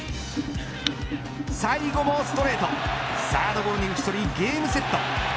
最後もストレートサードゴロに打ち取りゲームセット。